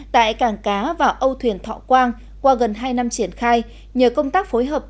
tại cảng cá và âu thuyền thọ quang qua gần hai năm triển khai nhờ công tác phối hợp